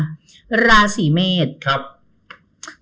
สำหรับคนที่เกิดราวสีเมษในภายบอกว่า